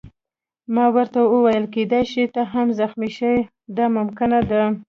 ما ورته وویل: کېدای شي ته هم زخمي شې، دا ممکنه ده.